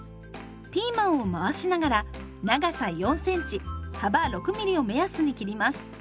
ピーマンを回しながら長さ４センチ幅６ミリを目安に切ります。